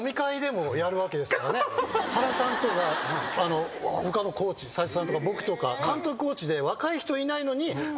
原さんとか他のコーチ斎藤さんとか僕とか監督コーチで若い人いないのに。